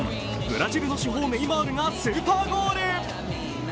ブラジルの至宝・ネイマールがスーパーゴール。